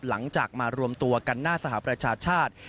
หลังจากมารวมตัวกันหน้าสหประชาชาติ